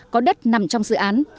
có đất nằm trong dự án